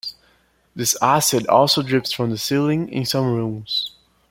This acid also drips from the ceiling in some rooms.